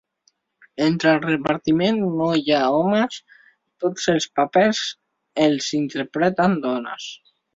Entre el repartiment no hi ha homes, tots els papers els interpreten dones.